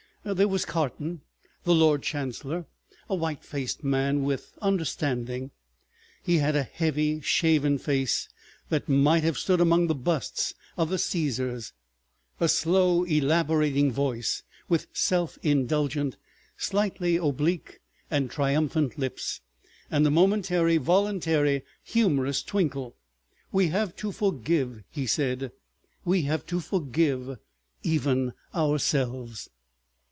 There was Carton, the Lord Chancellor, a white faced man with understanding, he had a heavy, shaven face that might have stood among the busts of the Caesars, a slow, elaborating voice, with self indulgent, slightly oblique, and triumphant lips, and a momentary, voluntary, humorous twinkle. "We have to forgive," he said. "We have to forgive—even ourselves."